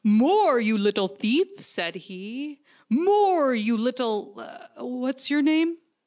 "More, you little thief!" said he. "More,, you little what's your name?